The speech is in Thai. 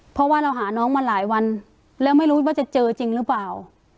เพราะว่าเราหาน้องมาหลายวันแล้วไม่รู้ว่าจะเจอจริงหรือเปล่า